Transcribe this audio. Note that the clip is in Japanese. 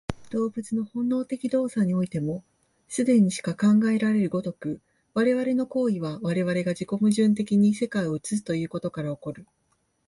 動物の本能的動作においても、既にしか考えられる如く、我々の行為は我々が自己矛盾的に世界を映すということから起こる。